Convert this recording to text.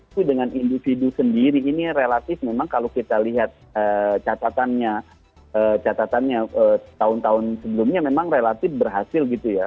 itu dengan individu sendiri ini relatif memang kalau kita lihat catatannya tahun tahun sebelumnya memang relatif berhasil gitu ya